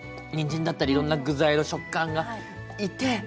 にんじんだったりいろんな具材の食感がいて。